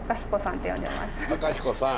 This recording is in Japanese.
公彦さん。